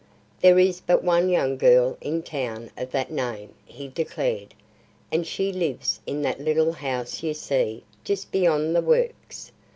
"There is but one young girl in town of that name," he declared, "and she lives in that little house you see just beyond the works.